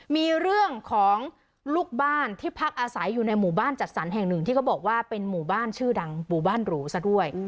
มีเรื่องของลูกบ้านที่พักอาศัยอยู่ในหมู่บ้านจัดสรรแห่งหนึ่งที่เขาบอกว่าเป็นหมู่บ้านชื่อดังหมู่บ้านหรูซะด้วย